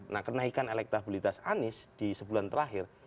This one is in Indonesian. nah kenaikan elektabilitas anies di sebulan terakhir